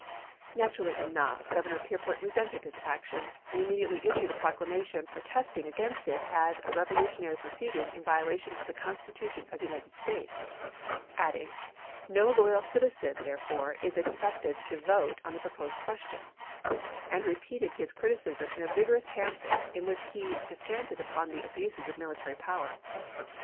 '" Naturally enough, Governor Peirpoint resented this action, and immediately issued a proclamation protesting against it as a revolutionary proceeding in violation of the Constitution of the United States, adding, "No loyal citizen, therefore, is expected to vote on the proposed question "; and re peated his criticism in a vigorous pamphlet, in which he descanted upon the " abuses of military power."